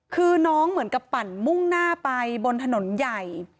คือน้องเหมือนกับปั่นมุ่งหน้าไปบนถนนใหญ่